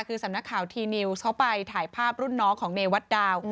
คือสำนักข่าวทีนิวส์เขาไปถ่ายภาพรุ่นน้องของเนวัดดาว